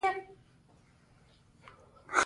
ډېر زیات پوځي عملیات مو کړي وای.